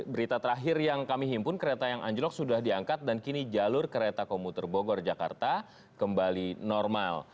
berita terakhir yang kami himpun kereta yang anjlok sudah diangkat dan kini jalur kereta komuter bogor jakarta kembali normal